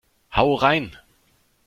Hau rein!